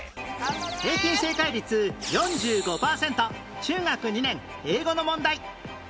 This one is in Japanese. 平均正解率４５パーセント中学２年英語の問題